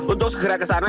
untuk segera ke sana